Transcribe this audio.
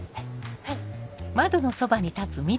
はい。